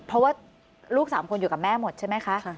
เพราะว่าลูก๓คนอยู่กับแม่หมดใช่ไหมคะ